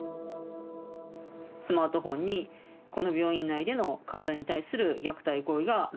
スマートフォンにこの病院内での患者に対する虐待行為が録画されていて。